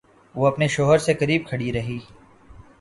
وہ اپنے شوہر سے قریب کھڑی رہی